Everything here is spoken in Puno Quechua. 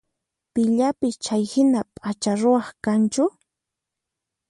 Pillapis chayhina p'acha ruwaq kanchu?